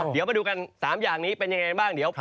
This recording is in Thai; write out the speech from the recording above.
เดี๋ยวมาดูกัน๓อย่างนี้เป็นยังไงบ้างเดี๋ยว